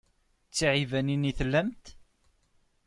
D tiɛibanin i tellamt?